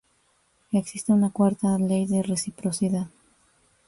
Existe una cuarta ley de reciprocidad.